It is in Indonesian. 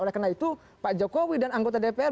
oleh karena itu pak jokowi dan anggota dpr